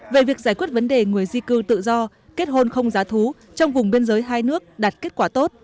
về việc giải quyết vấn đề người di cư tự do kết hôn không giá thú trong vùng biên giới hai nước đạt kết quả tốt